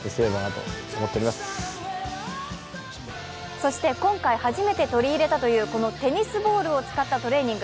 そして今回初めて取り入れたというテニスボールを使ったトレーニング。